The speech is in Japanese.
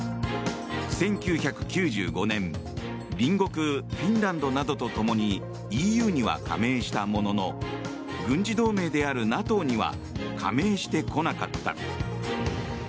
１９９５年隣国フィンランドなどとともにＥＵには加盟したものの軍事同盟であるＮＡＴＯには加盟してこなかった。